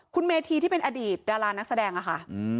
คุณเมธีที่เป็นอดีตดารานักแสดงอะค่ะ